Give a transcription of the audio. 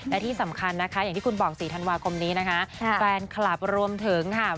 และที่สำคัญนะคะอย่างที่คุณบอก๔ธันวาคมนี้นะคะแฟนคลับรวมถึงค่ะ